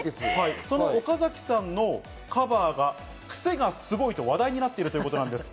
その岡崎さんのカバーがクセがすごいと話題になっているということなんです。